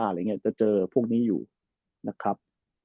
อะไรอย่างนี้จะเจอพวกนี้อยู่นะครับ